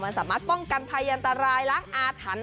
มันสามารถป้องกันภัยอันตรายล้างอาถรรพ์